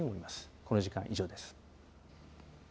この時間、以上です。